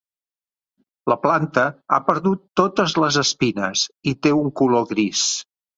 La planta ha perdut totes les espines i té un color gris.